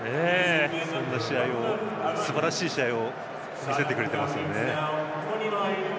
そんなすばらしい試合を見せてくれていますね。